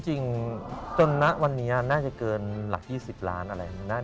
จริงจนณวันนี้น่าจะเกินหลัก๒๐ล้านอะไร